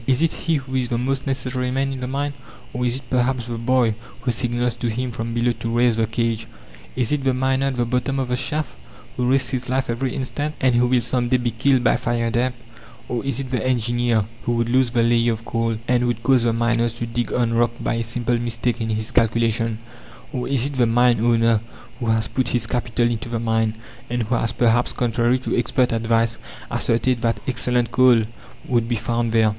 Is it he who is the most necessary man in the mine? Or, is it perhaps the boy who signals to him from below to raise the cage? Is it the miner at the bottom of the shaft, who risks his life every instant, and who will some day be killed by fire damp? Or is it the engineer, who would lose the layer of coal, and would cause the miners to dig on rock by a simple mistake in his calculations? Or is it the mine owner who has put his capital into the mine, and who has perhaps, contrary to expert advice, asserted that excellent coal would be found there?